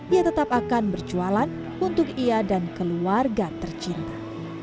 ia tetap akan berjualan untuk ia dan keluarga tercinta